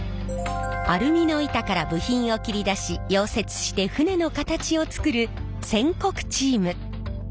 アルミの板から部品を切り出し溶接して船の形を作る船殻チーム。